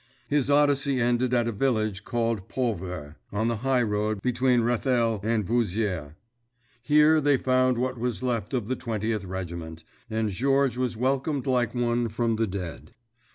His Odyssey ended at a village called Pauvres on the highroad between Rethel and Vouziers. Here they found what was left of the Twentieth Regiment, and Georges was welcomed like one from the dead.